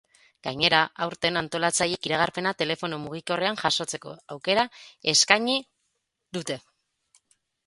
Gainera, aurten antolatzaileek iragarpena telefono mugikorrean jasotzeko aukera eskaini dute.